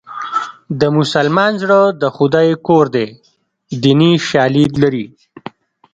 د مسلمان زړه د خدای کور دی دیني شالید لري